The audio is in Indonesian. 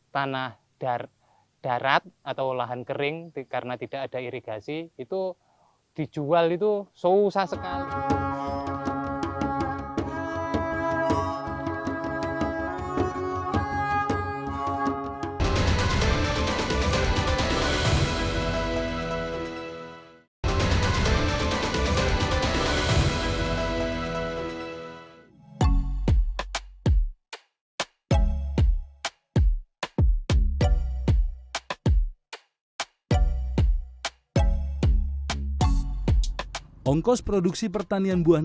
tanah darat atau lahan kering karena tidak ada irigasi itu dijual itu seusah sekali